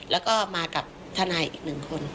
แล้วก็มากับทนายอีกหนึ่งคน